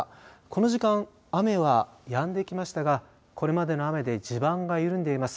この時間雨は、やんできましたがこれまでの雨で地盤が緩んでいます。